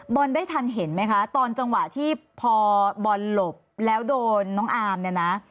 ได้ทันเห็นไหมคะตอนจังหวะที่พอบอลหลบแล้วโดนน้องอามเนี่ยนะ